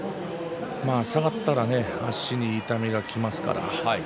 下がったら足に痛みがきます。